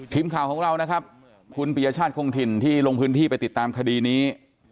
ทีมข่าวของเรานะครับคุณปียชาติคงถิ่นที่ลงพื้นที่ไปติดตามคดีนี้